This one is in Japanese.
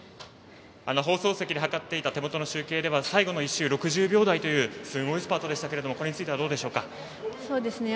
放送席で測っていた手元の集計では最後の１周、６０秒台というすごいスパートでしたがこれについてはどうでしょうか？